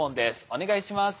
お願いします。